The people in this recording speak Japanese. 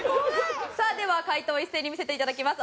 さあでは解答を一斉に見せて頂きます。